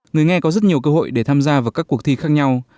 người nghe có rất nhiều cơ hội để tham gia vào các cuộc thi khác nhau